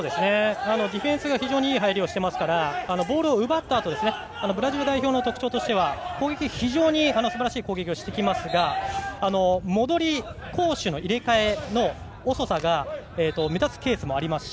ディフェンスがいい入りをしているのでボールを奪ったあとブラジル代表の特徴は非常にすばらしい攻撃をしてきますが戻り、攻守の入れ替えの遅さが目立つケースもありますし